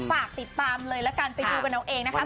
ฝากติดตามเลยละกันไปดูกันเอาเองนะคะ